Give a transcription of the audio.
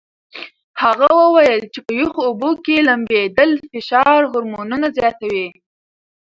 هغه وویل چې په یخو اوبو کې لامبېدل فشار هورمونونه زیاتوي.